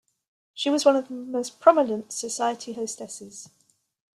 She was one of the most prominent society hostesses.